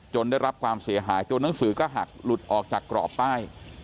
ได้รับความเสียหายจนหนังสือก็หักหลุดออกจากกรอบป้าย